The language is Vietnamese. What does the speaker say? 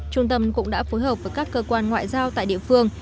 trung tâm cũng đã phối hợp với các cơ quan ngoại giao tại địa phương